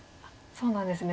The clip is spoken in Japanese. そうなんですね。